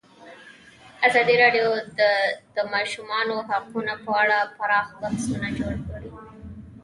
ازادي راډیو د د ماشومانو حقونه په اړه پراخ بحثونه جوړ کړي.